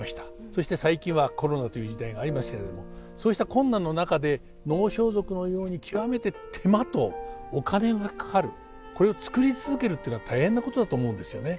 そして最近はコロナという時代がありますけれどもそうした困難の中で能装束のように極めて手間とお金がかかるこれを作り続けるっていうのは大変なことだと思うんですよね。